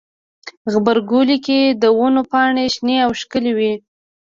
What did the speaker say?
غبرګولی کې د ونو پاڼې شنې او ښکلي وي.